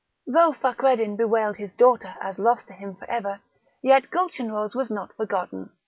Though Fakreddin bewailed his daughter as lost to him for ever, yet Gulchenrouz was not forgotten.